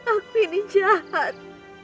aku ini jahat